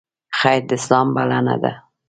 خیر د اسلام بلنه ده